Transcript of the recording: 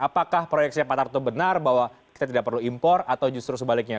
apakah proyeksinya pak tarto benar bahwa kita tidak perlu impor atau justru sebaliknya